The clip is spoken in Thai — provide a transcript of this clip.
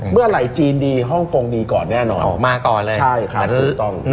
เมื่ออะไรจีนดีฮ่องโกงดีก่อนแน่นอน